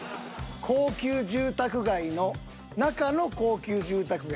高級住宅街の中の高級住宅街。